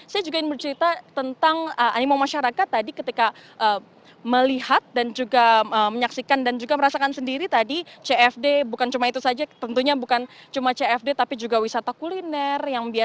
saya juga ingin bercerita tentang animo masyarakat tadi ketika melihat dan juga menyaksikan dan juga merasakan sendiri tadi cfd bukan cuma itu saja tentunya bukan cuma cfd tapi juga wisata kuliner